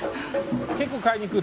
結構買いに来る？